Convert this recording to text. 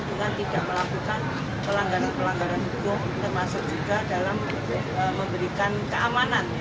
dengan tidak melakukan pelanggaran pelanggaran hukum termasuk juga dalam memberikan keamanan